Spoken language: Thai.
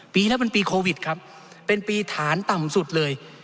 ปีแล้วมันปีโควิดครับเป็นปีฐานต่ำสุดเลย